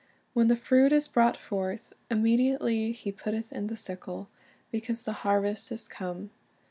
"When the fruit is brought forth, immediately he putteth in the sickle, because the harvest is come."